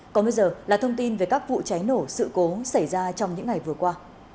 còn bây giờ là thông tin về các vụ cháy nổ sự cố xảy ra trong những ngày vừa qua